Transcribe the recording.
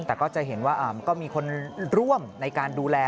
แต่ก็จะเห็นว่ามันก็มีคนร่วมในการดูแล